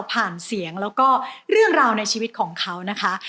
เสียงแล้วก็เรื่องราวในชีวิตของเขานะคะ